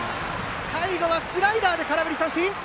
最後はスライダーで空振り三振！